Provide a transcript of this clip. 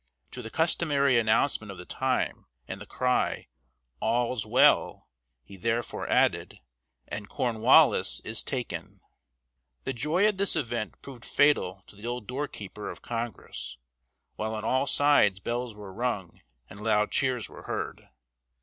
To the customary announcement of the time, and the cry, "All's well," he therefore added, "and Cornwallis is taken!" The joy of this event proved fatal to the old doorkeeper of Congress, while on all sides bells were rung and loud cheers were heard.